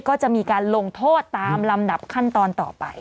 ก็จะมีการลงโทษตามลำดับขั้นตอนต่อไป